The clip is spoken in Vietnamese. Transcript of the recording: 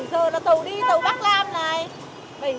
bảy h là tàu đi tàu bắc lam này